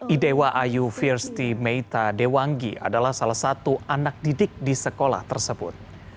idewa ayu firsty meita dewangi adalah salah satu anak didik di sekolah tersebut